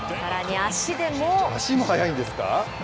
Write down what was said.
足も速いんですか。